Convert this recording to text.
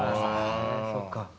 そうか。